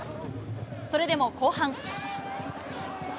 それでも後半。